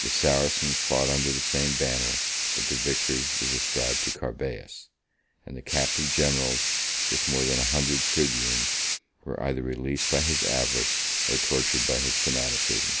The Saracens fought under the same banners, but the victory was ascribed to Carbeas; and the captive generals, with more than a hundred tribunes, were either released by his avarice, or tortured by his fanaticism.